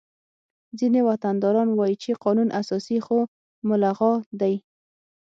ځینې وطنداران وایي چې قانون اساسي خو ملغا دی